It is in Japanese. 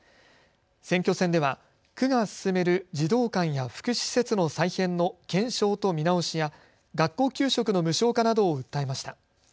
選挙戦では区が進める児童館や福祉施設の再編の検証と見直しや学校給食の無償化などを訴えました。